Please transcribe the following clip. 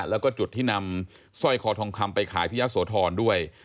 แล้วก็จุดที่นำสร้อยคอทองคำไปขายที่ยะโสธรด้วย